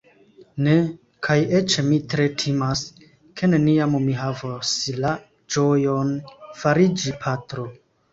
Ne; kaj eĉ mi tre timas, ke neniam mi havos la ĝojon fariĝi patro.